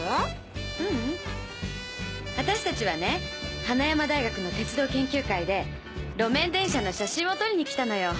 私達はね花山大学の鉄道研究会で路面電車の写真を撮りにきたのよ。